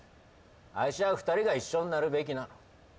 愛し合う２人が一緒になるべきなの。